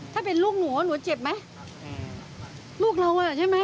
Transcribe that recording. ถ้าเป็นลูกหนูหนูเจ็บไหมลูกเราอ่ะใช่ไหม